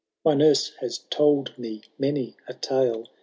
" My nurse has told me many a tale.